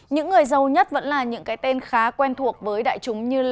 những người giàu nhất vẫn là những cái tên khá quen thuộc với đại chúng như là